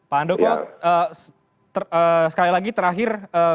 pak andoko sekali lagi terakhir